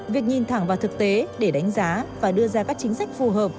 việc nhìn thẳng vào thực tế để đánh giá và đưa ra các chính sách phù hợp